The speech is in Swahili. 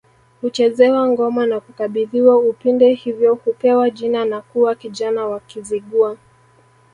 Huchezewa ngoma na kukabidhiwa upinde hivyo hupewa jina na kuwa kijana wa Kizigua